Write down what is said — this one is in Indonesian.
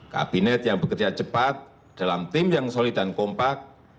kabinet yang bekerja cepat dalam tim yang solid dan kompak